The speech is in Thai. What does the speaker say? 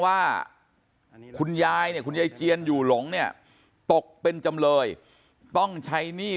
ว่าคุณยายเนี่ยคุณยายเจียนอยู่หลงเนี่ยตกเป็นจำเลยต้องใช้หนี้